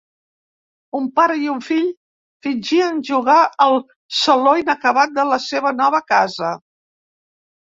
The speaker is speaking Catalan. Un pare i un fill fingien jugar al saló inacabat de la seva nova casa.